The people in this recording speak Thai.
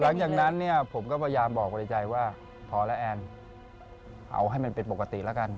หลังจากนั้นเนี่ยผมก็พยายามบอกในใจว่าพอแล้วแอนเอาให้มันเป็นปกติแล้วกัน